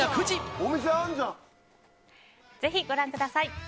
ぜひご覧ください。